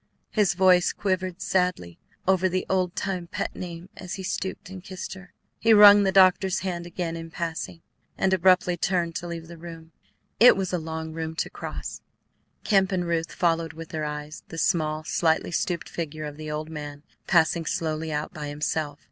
His voice quavered sadly over the old time pet name as he stooped and kissed her. He wrung the doctor's hand again in passing, and abruptly turned to leave the room. It was a long room to cross. Kemp and Ruth followed with their eyes the small, slightly stooped figure of the old man passing slowly out by himself.